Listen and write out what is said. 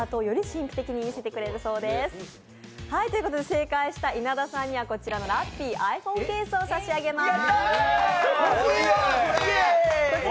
正解した稲田さんにはラッピーｉＰｈｏｎｅケースを差し上げます。